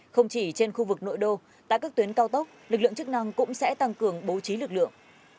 không chỉ trên khu vực nội đô tại các tuyến cao tốc lực lượng chức năng cũng sẽ tăng cường bố trí lực lượng